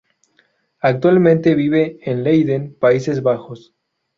Actualmente vive en Leiden, Países Bajos.